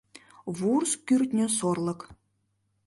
вурс-кӱртньӧ сорлык.